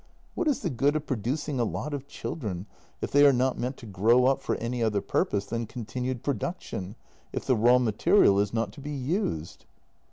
What is the good of producing a lot of children if they JENNY 179 are not meant to grow up for any other purpose than continued production — if the raw material is not to be used?